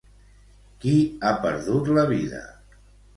Qui ha perdut la vida?